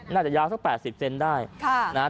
น่าจะยาวสัก๘๐เซนได้นะฮะ